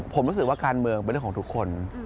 ผมรู้สึกว่าการเมืองเป็นเรื่องของทุกคน